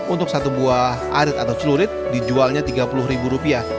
untuk satu buah arit atau celurit dijualnya tiga puluh ribu rupiah